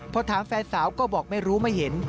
พอถามแฟนสาวก็บอกไม่รู้ไม่เห็น